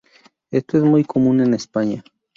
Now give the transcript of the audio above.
Esto es muy común en España.